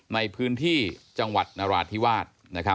ในพื้นที่จังหวัดนราธิวาส